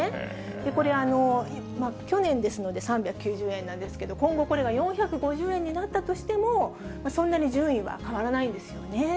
これ、去年ですので、３９０円なんですけれども、今後これが４５０円になったとしても、そんなに順位は変わらないんですよね。